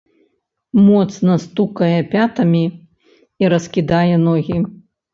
Моцна стукае пятамі і раскідае ногі.